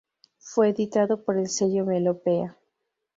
Fue editado por el sello Melopea.